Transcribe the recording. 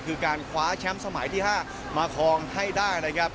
คือการคว้าแชมป์สมัยที่๕มาคลองให้ได้นะครับ